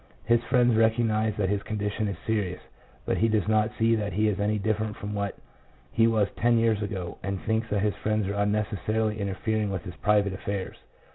His friends recog nize that his condition is serious, but he does not see that he is any different from what he was ten years ago, and thinks that his friends are unnecessarily interfering with his private affairs.